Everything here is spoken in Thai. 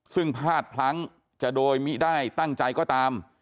ซึ่งพลาดพลั้งจะโดยมิได้ตั้งใจก็ตาม